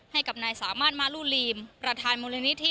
ให้กับนายสามารถมาลูลีมประธานมูลนิธิ